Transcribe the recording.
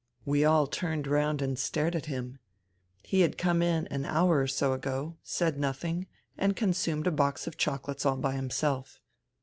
We all turned round and stared at him. He had come in an hour or so ago, said nothing and consumed a box of chocolates all by himself.